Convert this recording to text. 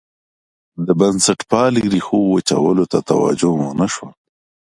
د بنسټپالنې ریښو وچولو ته توجه ونه شوه.